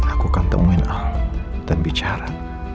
aku akan temuin ahok dan bicara